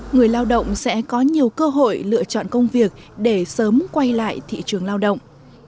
người lao động sẽ có nhiều cơ hội lựa chọn công việc để sớm quay lại thị trường lao động